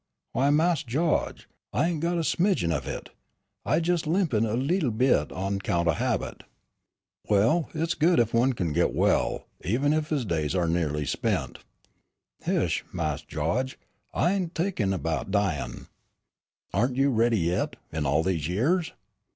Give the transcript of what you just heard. "Bettah? Why, Mawse Gawge, I ain' got a smidgeon of hit. I's jes' limpin' a leetle bit on 'count o' habit." "Well, it's good if one can get well, even if his days are nearly spent." "Heish, Mas' Gawge. I ain' t'inkin' 'bout dyin'." "Aren't you ready yet, in all these years?"